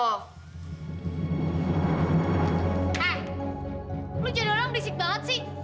hei kamu jadi orang yang berisik banget sih